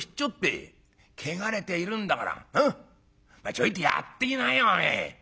ちょいとやっていきなよお前」。